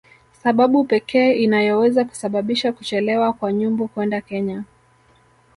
sababu pekee inayoweza kusababisha kuchelewa kwa Nyumbu kwenda Kenya